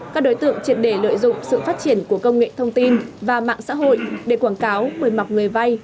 các đối tượng triệt để lợi dụng sự phát triển của công nghệ thông tin và mạng xã hội để quảng cáo mời mọc người vay